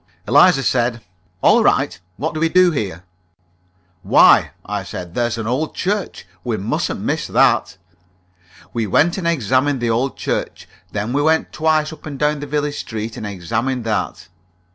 Eliza said: "All right. What do we do here?" "Why," I said, "there's the old church. We mustn't miss that." We went and examined the old church. Then we went twice up and down the village street, and examined that.